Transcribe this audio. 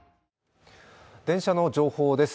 電車の情報です。